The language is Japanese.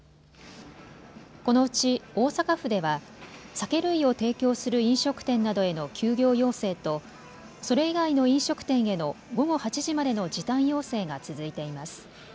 このうち大阪府では酒類を提供する飲食店などへの休業要請とそれ以外の飲食店への午後８時までの時短要請が続いています。